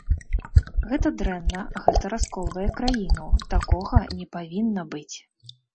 Гэта дрэнна, гэта расколвае краіну, такога не павінна быць.